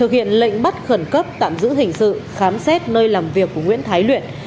lệnh bắt khẩn cấp tạm giữ hình sự khám xét nơi làm việc của nguyễn thái luyện